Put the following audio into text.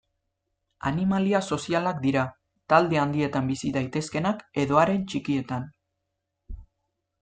Animalia sozialak dira, talde handietan bizi daitezkeenak edo haren txikietan.